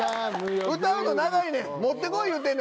歌うの長いねん！